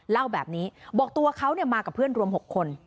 เล่าแบบนี้บอกตัวเขามากับเพื่อนรวม๖คน